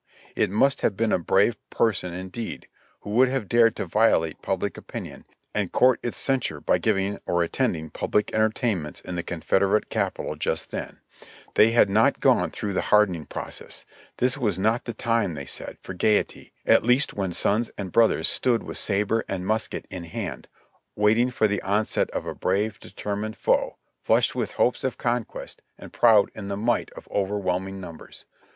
it must have been a brave person indeed who would have dared to violate public opinion, and court its censure by giving or attending pub lic entertainments in the Confederate Capital just then : they A BREATHING SPELI. 165 had not gone through the hardening process ; this was not the time, they said, for gaiety, at least when sons and brothers stood with sabre and musket in hand, waiting for the onset of a brave, determined foe flushed with hopes of conquest and proud in the might of overwhelming numbers.